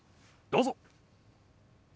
どうぞ。